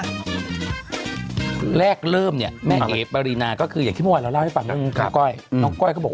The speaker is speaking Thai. ว่าแรกเริ่มเนี่ยแม่เอกปรินาคืออย่างที่มั่วเราเล่าให้ฟังกับก้อย